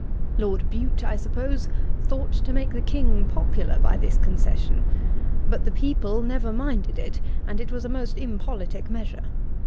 Lord Bute, I suppose, thought to make the King popular by this concession; but the people never minded it; and it was a most impolitick measure.